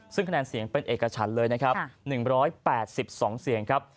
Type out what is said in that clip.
ซึ่งคะแนนเสียงเป็นเอกฉันเลยนะครับ๑๘๒เสียงครับ